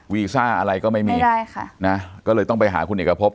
วีซ่าอะไรก็ไม่มีใช่ค่ะนะก็เลยต้องไปหาคุณเอกพบ